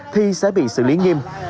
thì sẽ bị xử lý nghiêm